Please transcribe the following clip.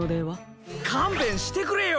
かんべんしてくれよ。